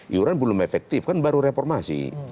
iuran belum efektif kan baru reformasi